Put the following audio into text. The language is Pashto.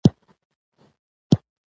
مانسهره د هزاره ډويژن يو ښار دی.